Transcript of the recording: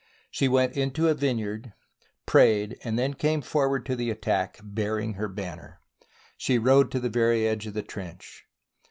She went into a vineyard, prayed, and then came forward to the attack bear ing her banner. She rode to the very edge of the trench.